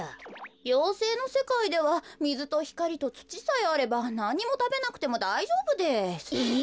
妖精のせかいではみずとひかりとつちさえあればなんにもたべなくてもだいじょうぶです。え！